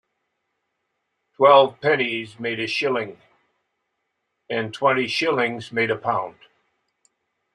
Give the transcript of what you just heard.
Twelve pennies made a shilling, and twenty shillings made a pound.